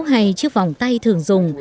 hay chiếc vòng tay thường dùng